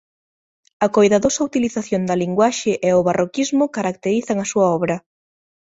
A coidadosa utilización da linguaxe e o barroquismo caracterizan a súa obra.